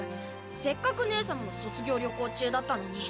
せっかくねえさまの卒業旅行中だったのに。